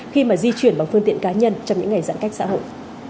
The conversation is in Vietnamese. khi mà di chuyển bằng phương tiện cá nhân trong những ngày giãn cách xã hội